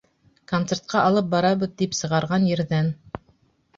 Концертҡа алып барабыҙ тип сығарған ерҙән...